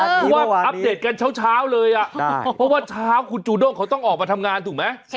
อัพเดทกันเช้าเลยอ่ะเพราะว่าเช้าคุณจูด้งเขาต้องออกมาทำงานถูกไหม